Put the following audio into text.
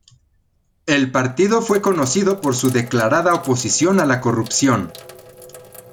El partido fue conocido por su declarada oposición a la corrupción.